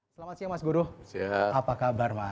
selamat siang mas guru apa kabar mas